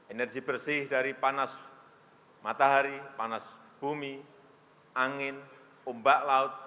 energi bersih dari panas matahari panas bumi angin ombak laut